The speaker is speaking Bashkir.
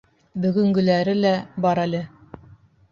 — Бөгөнгөләре лә бар әле.